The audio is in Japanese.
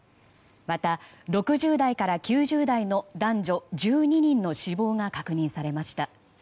また６０代から９０代の男女１２人の死亡が確認されました。